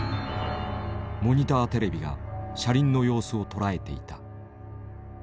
モニターテレビが車輪の様子をとらえていた。